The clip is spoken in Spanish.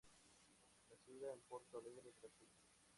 Nacida en Porto Alegre, Brasil.